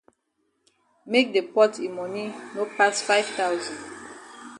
Make the pot yi moni no pass five thousand.